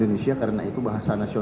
dalam percara ini